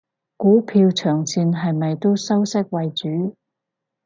股票長線係咪都收息為主？